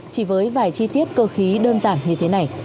chỉ với vài chi tiết cơ khí đơn giản như thế này